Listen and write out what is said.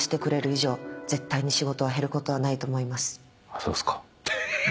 そうっすか。